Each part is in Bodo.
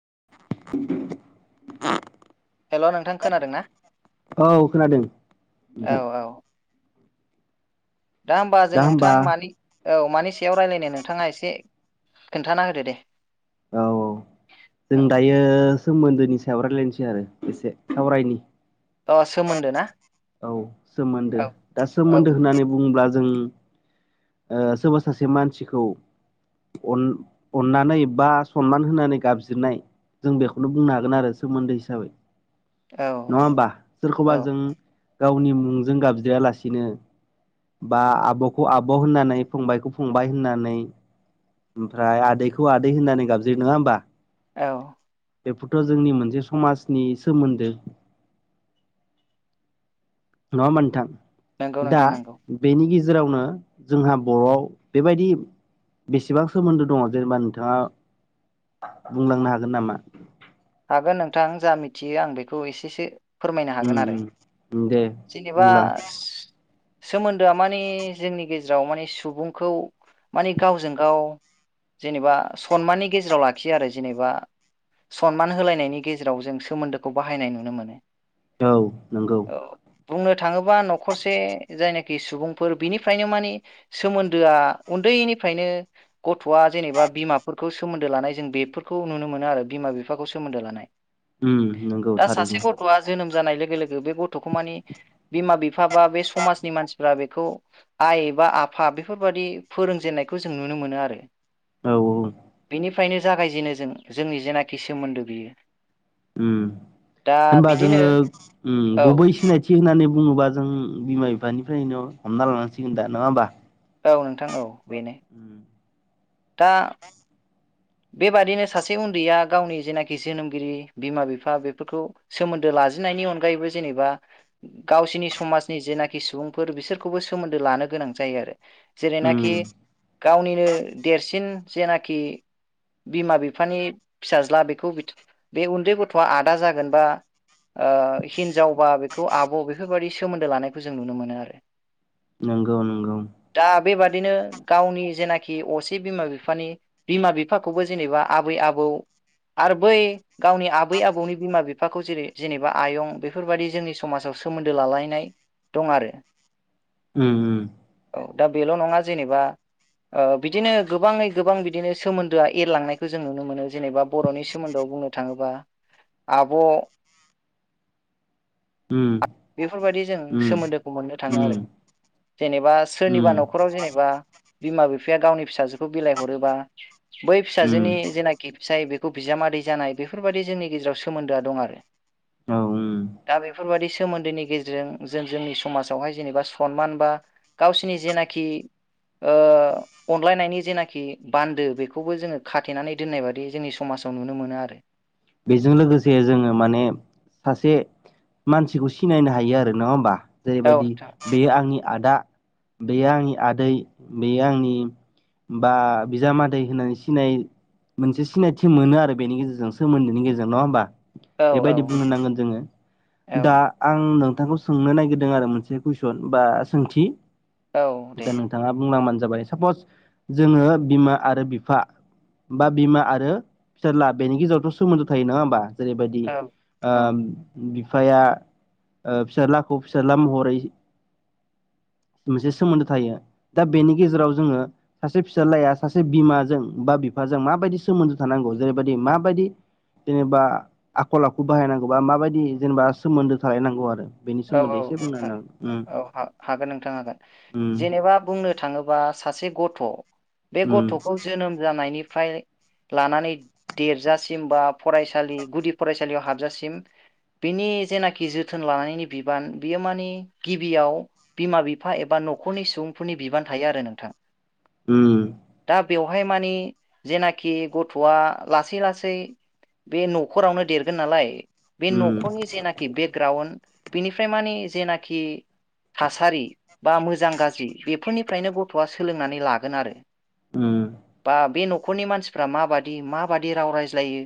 [inaudible] हेल' नोंथां खोनादों ना? औ खोनादों औ नोंथां। औ दा होमबा जों नोंथां मानि औ मानि सायाव रायज्लायनो नोंथाङा एसे। एसे खोन्थाना होदो दे। औ औ औ जों दायो सोमोन्दोनि सायावरायलायनोसै आरो एसे सावरायनि अ सोमोन्दो ना औ सोमोन्दो औ दा औ सोमोन्दो होननानै बुंङोब्ला जों ओ सोरबा सासे मानसिखौ अन अननानै बा सनमान होनानै गाबज्रिनाय जों बेखौनो बुंनो हागोन आरो सोमोन्दो हिसाबै औ नङा होमबा? औ औ बा आब'खौ आब' होननानै फंबायखौ फंबाय होननानै ओमफ्राय आदैखौ आदै होननानै गाबज्रि नङा होमबा औ। बेफोरथ' जोंनि मोनसे समाजनि सोमोन्दो नङा होमबा नोंथां नंगौ दा नोंथां नंगौ बेनि गेजेराव गेजेरावनो जोंहा बर'आव बेबायदि बेसेबां सोमोन्दो दङ जेनेबा नोंथाङा बुंलांनो हागोन नामा? हागोन नोंथां जा मिथियो आं बेखौ एसेसो। फोरमायनो हागोन आरो उम उम दे जेनेबा बुंलां सोमोन्दोआ माने जोंनि गेजेराव माने सुबुंखौ माने गावजों गाव जेनेबा सनमाननि गेजेराव लाखियो आरो जेनेबा सनमान होलायनायनि गेजेराव जों सोमोन्दोखौ बाहायनाय नुनो मोनो औ नोंगौ बुंनो थाङोबा न'खरसे जायनो खि सुबुंफोर बिनिफ्रायनो माने सोमोन्दोआ उन्दैनिफ्रायनो गथ'आ जेनेबा बिमाफोरखौ सोमोन्दो लानाय जों बेफोरखौ नुनो मोनो आरो बिमा बिफाखौ सोमोन्दो उम नंगौ दा सासे थारैनो गथ'आ जोनोम जानाय लोगो लोगो लोगो बे गथ'खौ मानि बिमा बिफा बा बे समाजनि मानसिफ्रा बेखौ आइ बा आफा बेफोरबाददि फोरोंजेननायखौ जों नुनो मोनो आरो औ औ बेनिफ्रायनो जागायजेनो जों जोंनि जेनाखि सोमोन्दो बेयो ओम होनबा जोङो ओम औ गुबै सिनायथि होननानै बुङोबा जों बिमा बिफानिफ्रायनो हमना लानांसिगोन दा नङा होमबा औ नोंथां औ बेनो उम। दा बेबादिनो सासे उन्दैया गावनि जेनाखि जोनोमगिरि बिमा बिफा बेफोरखौ सोमोन्दो ला जेननायनि अनगायैबो जेनेबा गावसोरनि समाजनि जेनाखि सुबुंफोर बिसोरखौबो सोमोन्दो लानो गोनां जायो आरो उम जेरैनाखि गावनिनो देरसिन जेनाखि बिमा बिफानि फिसाज्ला बेखौ बे उन्दै गथ'वा आदा जागोन बा ओ हिनजावबा बेखौ आब' बेफोरबायदि सोमोन्दो लानायखौ जों नुनो मोनो आरो नंगौ नंगौ दा बेबादिनो गावनि जेनाखि असे बिमा बिफानि बिमा बि फाखौबो जेनेबा आबै आबौ आरो बै गावनि आबै आबौनि बिमा बि। फाखौ जेरै जेनेबा आयं बेफोरबायदि जोंनि समाजाव सोमोन्दो लालायनाय दं आरो। ओम ओम। औ दा बेल' नङा जेनेबा बिदिनो गोबाङै गोबां बिदिनो सोमोन। दोआ एरलांनायखौ जों नुनो मोनो जेनेबा बर'नि सोमोन्दोआव बुंनो थाङोबा। आब'। उम बेफोरबायदि जों उम सोमोन्दोखौ मोननो थाङो उम उम आरो। जेनेबा सोरनिबा उम न'खराव जेनेबा बिमा बिफाया गावनि फिसाजोखौ बिलाइ हरोबा बै उम फिसाजोनि जेनाखि फिसाइ खौ बिजामादै जानाय बेफोरबायाददि जोंनि गेजेराव सोमोन्दोआ दं आरो औ उम दा बे बेफोरबायदि सोमोन्दोनि गेजेरजों जों जोंनि समाजावहाय जेनेबा सनमान बा गावसोरनि जेनाखि अनलायनायनि जेनाखि बान्दो बेखौबो जोङो खाथेनानै दोननाय बादि जोंनि समाज साव नुनो मोनो आरो। बेजों लोगोसे जोङो माने सासे मानसिखौ सिनायनो हायो आरो नङा होमबा औ जेरैबायदि नोंथां बेयो आंनि आदा बेयो आंनि आदै बेयो आंनि बा बिजामादै होननानै सिनाय मोनसे सिनायथि मोनो आरो बेनि गेजेरजों सोमोन्दोनि गेजेरजों नङा होनबा औ औ बेबायदि बुंनो नांगोन जोङो औ दा आं नों। नोंथांखौ सोंनो नागिरदों आरो मोनसे कुइसन बा सोंथि औ दे दा नोंथाङा बुंलांबानो। जाबाय सापस जोङो बिमा आरो बिफा बा बिमा आरो फिसाज्ला बेनि गेजेरावथ' सोमोन्दो थायो नङा होमबा जेरैबायदि औ ओ औ बि फाया फिसाज्लाखौ फिसााज्ला महरै [inaudible] मोनसे सोमोन्दो थायो दा बेनि गेजेराव जोङो सासे फिसाज्लाया सासे बिमाजों बा बि। फाजों माबायदि सोमोन्दो थानांगौ जेरैबायदि माबायदि। जेनेबा आखल आखु बाहायनांगौबा माबायदि जेनेबा सोमोन्दो थालायनांगौ आरो। बेनि औ औ सोमोन्दै एसे बुंना नोंथां होनो औ हागोन नोंथां हागोन हागोन जेनेबा बुंनो थाङोबा। सासे गथ' बे उम गथ'खौ जोनोम जानायनिफ्राय लानानै देरजासिम बा फरायसालि गुदि फरायसालियाव हाबजासिम बिनि जेनाखि जोथोन लानायनि बिबान बियो मानि गिबियाव बिमा बिफा एबा न'खरनि सुबुंफोरनि बिबान थायो आरो नोंथां। ओम। बेयावहाय मानि जेनाखि गथ'वा लासै लासै बे न'खरावनो देरगोन नालाय बे उम न'खरनि जेनाखि बेकग्राउण्ड बिनिफ्राय मानि जेनाखि थासारि बा मोजां गाज्रि बेफोरनिफ्रायनो गथ'आ सोलोंनानै लागोन आरो उम बा बे न'खरनि मानसिफ्रा माबादि माबादि राव रायज्लायो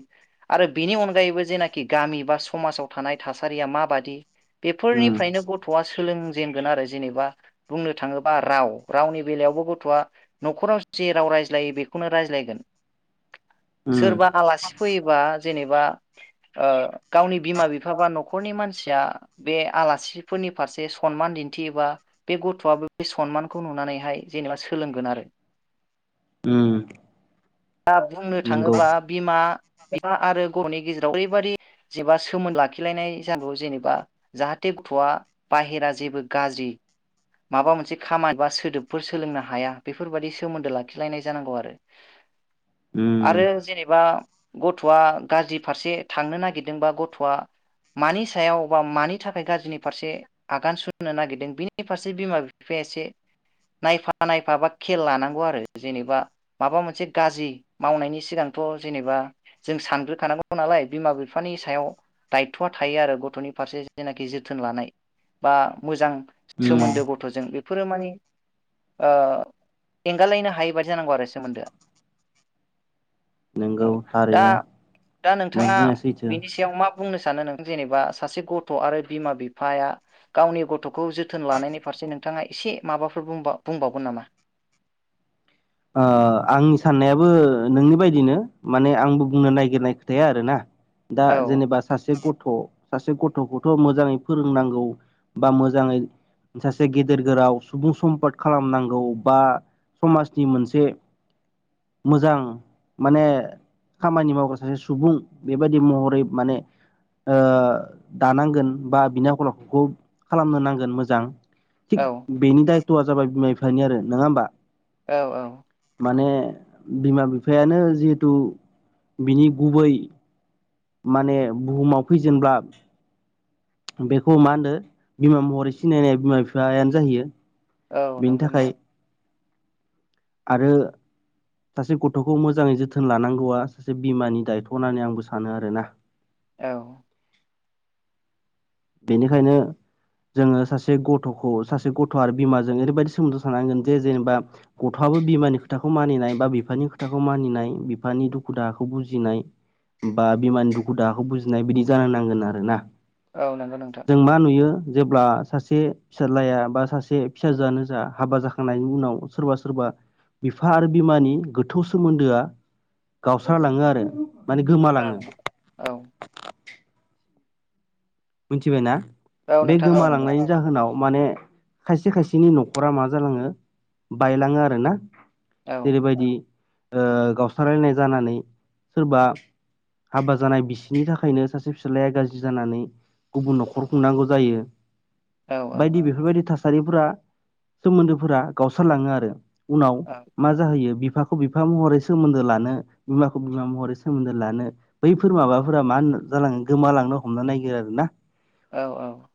आरो बेनि अनगायैबो जेनाखि गामि बा समाजाव थानाय थासारिया माबादि उम उम बेफोरनिफ्रायनो गथ'आ सोलों जेनगोन आरो जेनेबा बुंनो थाङोबा राव रावनि बेलायावबो गथ'आ न'खराव जे राव रायज्लायो बेखौनो रायज्लायगोन उम सोरबा आलासि फैयोबा जेनेबा ओ गावनि बिमा बिफा बा नख न'खरनि मानसिया बे आलासिफोरनि फारसे सनमान दिन्थियोबा बे गथ'आबो बे सनमानखौ नुनानैहाय जेनेबा सोलोंगोन आरो। ओम‌। दा बुंनो थाङोबा बिमा [unintelligible] आरो ग'नि गेजेराव ओरैबादि जेबा सोमोनद लाखिलायनाय जानांगौ जेनेबा जाहाथे गथ'आ बाहेरा जेबो गाज्रि माबा मोनसे खामानि बा सोदोबफोर सोलोंनो हाया बेफोरबादि सोमोन्दो लाखिलायनाय जानांगौ आरो। उम आरो जेनेबा गथ'आ गाज्रि फारसे थांनो नागिरदोंबा गथ'आ मानि सायाव बा मानि थाखाय गाज्रिनि फारसे आगान सुरनो नागिरदों बिनि फारसे बिमा बिफाया एसे नायफा नायफा बा खेल लानांगौ आरो जेनेबा माबा मोनसे गाज्रि मावनायनि सिगां थ' जेनेबा जों सानग्रोखानांगौ नालाय बिमा बिफानि सायाव दायथ'आ थायो आरो गथ'नि फारसे जेनाखि जोथोन लानाय बा मोजां उम सोमोन्दो गथ'जों बेफोरो माने ओ एंगालायनो हायैबादि जानांगौ आरो सोमोन्दोआ। औ नोंगौ दा थारैनो दा नों नोंथाङा बुंनाया सैथो बिनि सायाव मा बुंनो सा सानो नों जेनेबा सासे गथ' आरो बिमा बिफाया गावनि गथ' गथ'खौ जोथोन लानायनि फारसे नोंथाङा एसे माबाफोर बुंबा बुंबावगोन नामा? ओ आंनि साननायाबो नोंनि बायदिनो माने आंबो बुंनो नायगिरनाय खोथाया आरोना। दा औ जेनेबा सासे गथ गथ' सासे गथ'खौथ' मोजाङै फोरोंनांगौ बा मोजाङै सासे गेदेर गोराव सुबुं सम्पद खालामनांगौ बा समाज नि मोनसे मोजां माने खामानि मावग्रा सासे सुबुं बेबायदि महरै माने ओ दानांगोन बा बिनि आखल आखुखौ खालामनो नांगोन मोजां। थिग औ बेनि दायथ'आ जाबाय बिमा बिफानि आरो नङा होमबा? औ औ। माने बिमा बिफायानो जिहेथु बिनि गुबै माने बुहुमाव फैजेनब्ला बेखौ मा होनो बिमा महरै सिनायनाय बिमा बिफायानो जाहैयो। औ बेनि नंगौ थाखाय नोंथां। आरो सासे गथ'खौ मोजाङै जोथोन लानांगौआ सासे बिमानि दायथ' होननानै आंबो सानो आरोना। औ। बेनिखायनो जोङो सासे गथ'खौ सासे गथ' आरो बिमाजों ओरैबायाददि सोमोन्दो थानांगोन जे जेनेबा गथ'आ बो बिमानि खोथाखौ मानिनाय बा बिफानि खोथाखौ मानिनाय बिफानि दुखु दाहाखौ बुजिनाय। बा बिमानि दुखु दाहाखौ बुजिनाय बिदि जानो नांगोन आरो ना। औ नंगौ नोंथां जों मा नुयो जेब्ला सासे फिसाज्लाया बा सासे फिसाजोआनो जा हाबा जाखांनायनि उनाव सोरबा सोरबा बिफा आरो बिमानि गोथौ सोमोन्दोआ गावस्रालाङो आरो। माने गोमालाङो औ औ। मिथिबायना औ बे नोंथां औ नंगौ गोमालांनायनि जाहोनाव माने खायसे खायसेनि न'खरा मा जालाङो बायलाङो आरो ना। औ जेरैबायदि ओ गावस्रालायनाय जानानै सोरबा हाबा जानाय बिसिनि थाखायनो सासे फिसाज्लाया गाज्रि जानानै गुबुन न'खर खुंनांगौ जायो औ औ बायदि बेफोरबायदि थास सारिफोरा सोमोन्दोफोरा गावस्रालाङो आरो उनाव औ मा जाहैयो बिफ बिफाखौ बिफा महरै सोमोन्दो लानो बिमाखौ बिमा महरै सोमोन्दो लानो बैफोर माबाफोरा मा होनना जालाङो गोमालांनो हमनो नागिरो आरोना। औ औ।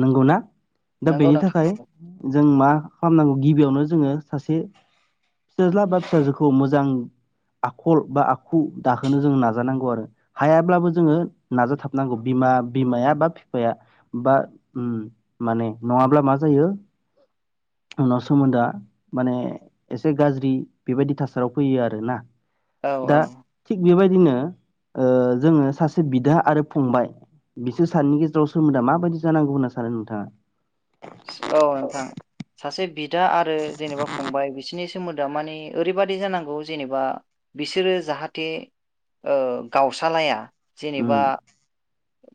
नंगौ ना? नंगौ नोंथां नंगौ। जों मा खालामनांगौ गिबियावनो जोङो सासे फिसाज्ला बा फिसाजोखौ मोजां आखल बा आखु दाहोनो जों नाजानांगौ आरो हायाब्लाबो जोङो नाजाथाबनांगौ बिमा बिमाया बा बिफाया बा माने नङाब्ला मा जायो [unintelligible] उनाव सोमोन्दोआ माने एसे गाज्रि बेबायदि थासारियाव फैयो आरो ना औ औ दा थिग बेबायदि बिनो जोङो ओ सासे बिदा आरो फंबाय बिसोर सानैनि गेजेराव सोमोन्दआ माबायदि जानांगौ होनना सानो नोंथाङा? औ नोंथां सासे बिदा आरो जेनेबा फंबाय बिसोरनि सोमोन्दआ माने ओरैबादि जानांगौ जेनेबा बिसोरो जाहाथे ओ गावसालाया उम जेनेबा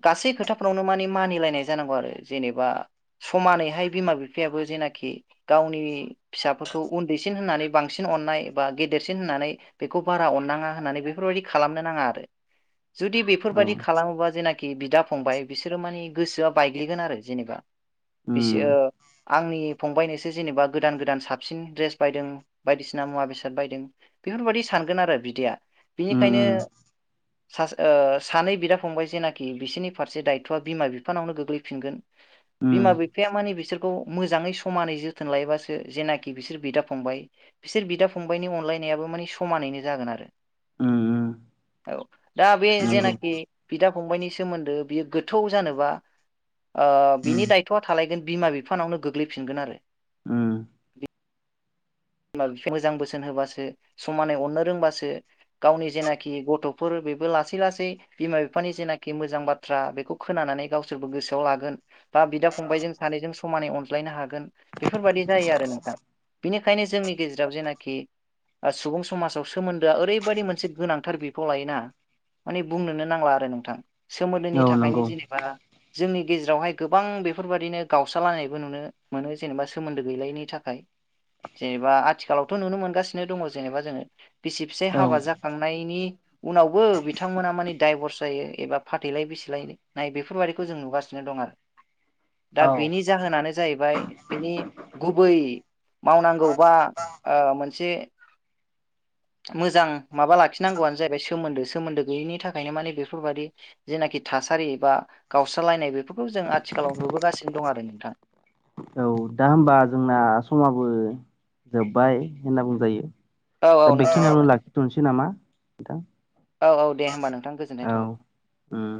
गासै खोथाफ्रावनो माने मानिलायनाय जानांगौ आरो जेनेबा समानैहाय बिमा बिफायाबो जेनाखि गावनि फिसाफोरखौ उन्दैसिन होननानै बांसिन अननाय बा गेदेरसिन होननानै बेखौ बारा अननाङा होननानै बेफोरबायदि खालामनो नाङा आरो जुदि औ बेफोरबायदि खालामोबा जेनाखि खि बिदा फंबाय बिसोरो माने गोसोआ बायग्लिगोन आरो जेनेबा बिसो उम आंनि फंबायनिसो जेनेबा गोदान गोदान साबसिन द्रेस बायदों बायदिसिना मुवा बेसाद बायदों बेफोरबायदि सानगोन आरो बिदाया उम बिनिखायनो सानै बिदा फंबाय जेनाखि खि बिसोरनि फारसे दायथ'आ बिमा बिफानावनो गोग्लैफिनगोन उम बिमा बिफाया माने बिसोर खौ मोजाङै समानै जोथोन लायोबासो जेनाखि बिसोर बिदा फंबाय बिसोर बिदा फंबायनि अनलाय नायाबो माने समानैनो जागोन आरो उम औ दा बे नंगौ जेनाखि बिदा फंबाइनि सोमोन्दो बियो गोथौ जानोबा ओ उम बिनि दायथ'आ थालायगोन बिमा बिफानावनो गोग्लैफिनगोन आरो उम बिद मोजां बोसोन होबासो समानै अननो रोंबासो गावनि जेनाखि गथ'फोर बेबो लासै लासै बिमा बिफानि जेनाखि मोजां बाथ्रा बेखौ खोनानानै गावसोरबो गोसोआव लागोन। बा बिदा फंबायजों सानैजों समानै अनज्लायनो हागोन बेफोरबायाददि जायो आरो नोंथां बेनि ओंखायनो जोंनि गेजेराव जेनाखि सुबुं समाजाव सोमोन्दोआ ओरैबायदि मोनसे गोनांथार बिफाव लायोना माने बुंनोनो नांला आरो नोंथां सोमोन्दोनि औ थाखायनो नंगौ जेनेबा जोंनि गेजेरावहाय गोबां बेफोरबायदिनो गावस्रालायनायबो नुनो मोनो जेनेबा सोमोन्दो गैलायनि थाखाय जेनेबा आथिखालावथ' नुनो मोनगासिनो दङ जेनेबा जोङो बिसि फिसाय औ हाबा जाखांनायनि उनावबो बिथांमोना माने दडाइभर्स जायो एबा फाथैलाय बिसिलाय नाय बेफोरबायदिखौ जों नुगासिनो दं आरो। दा औ बिनि जाहोनानो जाहैबाय बिनि गुबै मावनां गौबा ओ मोनसे मोजां माबा लाखिनांगौआनो जाहैबाय सोमोन्दो सोमोन्दो गैयैनि थाखायनो माने बेफोरबादि जेनाखि था सारि बा गावस्रालायनाय बेफोरखौ जों आथिखालाव नुबोगासिनो दं आरो नोंथां औ दा होमबा जोंना समाबो जोब्बाय होनना बुंजायो। औ औ दा नोंथां औ बेखिनियावनो लाखिथ'नोसै नामा नोंथां। औ औ दे होमबा नोंथां गोजोननाय औ थाबाय। उम